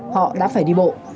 họ đã phải đi bộ